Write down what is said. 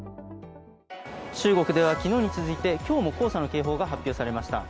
中国では昨日に続いて今日も黄砂の警報が発表されました。